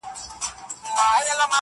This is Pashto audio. ؛عبدالباري جهاني؛